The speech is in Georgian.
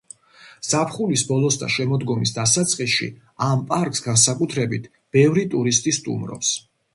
ზაფხულის ბოლოს და შემოდგომის დასაწყისში ამ პარკს განსაკუთრებით ბევრი ტურისტი სტუმრობს.